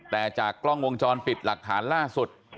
แต่จากกล้องวงจรปิดหลักฐานล่าสุด